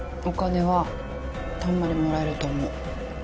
お金はたんまりもらえると思う。